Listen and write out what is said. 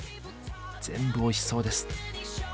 全部おいしそうです。